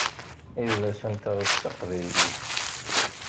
Idles-nteɣ d taqbaylit.